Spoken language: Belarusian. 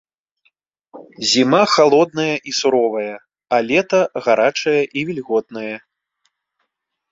Зіма халодная і суровая, а лета гарачае і вільготнае.